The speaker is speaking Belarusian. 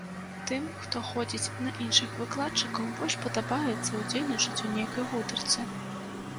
Тым, хто ходзіць на іншых выкладчыкаў, больш падабаецца ўдзельнічаць у нейкай гутарцы.